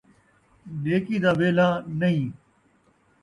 نیکی دا ویلھا نئیں